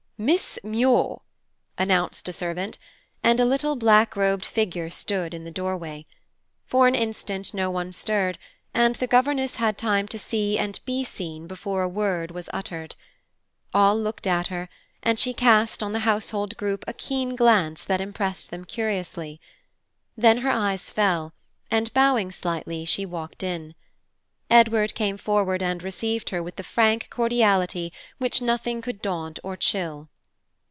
"Miss Muir," announced a servant, and a little black robed figure stood in the doorway. For an instant no one stirred, and the governess had time to see and be seen before a word was uttered. All looked at her, and she cast on the household group a keen glance that impressed them curiously; then her eyes fell, and bowing slightly she walked in. Edward came forward and received her with the frank cordiality which nothing could daunt or chill.